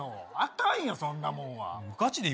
あかんよ、そんなもんは。